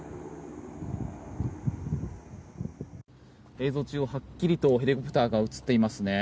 映像中央、はっきりとヘリコプターが映っていますね。